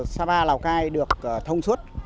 sapa lào cai được thông suốt